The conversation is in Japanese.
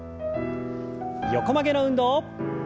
横曲げの運動。